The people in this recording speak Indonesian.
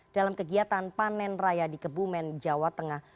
dalam kegiatan panen raya di kebumen jawa tengah